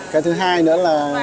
cái thứ hai nữa là